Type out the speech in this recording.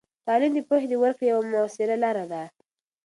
تعلیم د پوهې د ورکړې یوه مؤثره لاره ده.